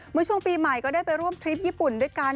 เมื่อช่วงปีใหม่ก็ได้ไปร่วมทริปญี่ปุ่นด้วยกัน